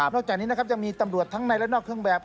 จากนี้นะครับยังมีตำรวจทั้งในและนอกเครื่องแบบ